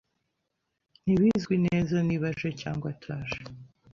Ntibizwi neza niba aje cyangwa ataje.